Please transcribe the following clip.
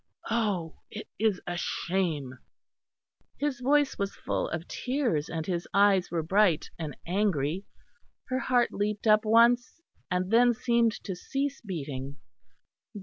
Oh! it is a shame!" His voice was full of tears, and his eyes were bright and angry. Her heart leapt up once and then seemed to cease beating.